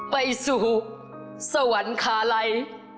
ไปสู่สวรรคาไล